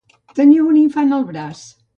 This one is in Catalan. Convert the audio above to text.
Tenia un infant al braç.